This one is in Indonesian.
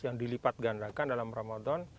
yang dilipat gandakan dalam ramadan